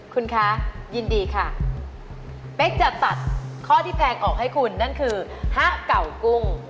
คุณคะยินดีค่ะเป๊กจะตัดข้อที่แพงออกให้คุณนั่นคือฮะเก่ากุ้ง